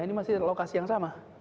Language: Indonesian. ini masih lokasi yang sama